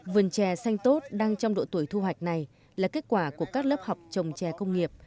vườn chè xanh tốt đang trong độ tuổi thu hoạch này là kết quả của các lớp học trồng trè công nghiệp